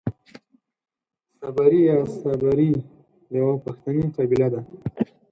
صبري يا سبري يوۀ پښتني قبيله ده.